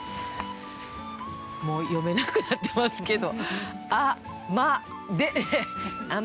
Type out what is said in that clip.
もう読めなくなってますけど。